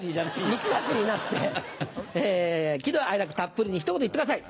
ミツバチになって喜怒哀楽たっぷりにひと言言ってください。